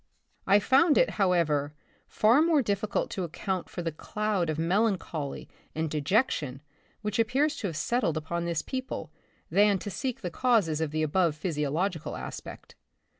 I found it, however, far more difficult to account for the cloud of melancholy and dejec tion which appears to have settled upon this people, than to seek the causes of the above physiological aspect.